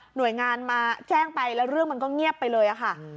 หน่วยงานมาแจ้งไปแล้วเรื่องมันก็เงียบไปเลยค่ะ